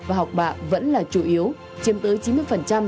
và học bạ vẫn là chủ yếu chiếm tới